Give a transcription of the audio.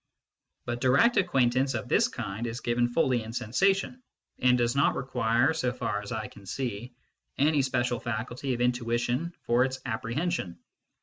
But direct ac quaintance of this kind is given fully in sensation, and does not require, so far as I can see, any special faculty of intuition for its apprehension.